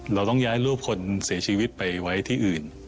เราต้องย้ายรูปคนเสียชีวิตไปไว้ที่อื่น